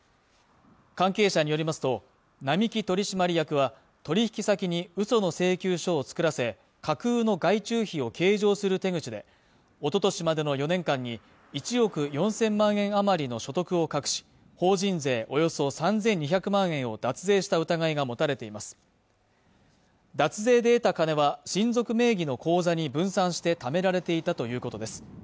関係者によりますと並木取締役は取引先に嘘の請求書を作らせ架空の外注費を計上する手口でおととしまでの４年間に１億４０００万円余りの所得を隠し法人税およそ３２００万円を脱税した疑いが持たれています脱税で得た金は親族名義の口座に分散してためられていたということです